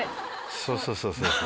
そうそうそうそう。